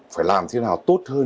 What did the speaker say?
phải làm thế nào tốt hơn